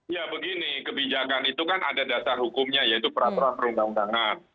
ya begini kebijakan itu kan ada dasar hukumnya yaitu peraturan perundang undangan